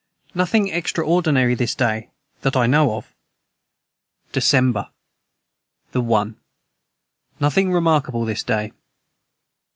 Nothing extreordenary this day that I know of. DECEMBER. the 1. Nothing remarkable this day.